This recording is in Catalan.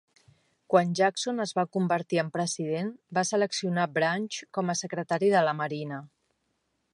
Quan Jackson es va convertir en president, va seleccionar Branch com a secretari de la Marina.